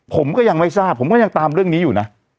ผมก็ยังไม่ทราบผมก็ยังตามเรื่องนี้อยู่นะ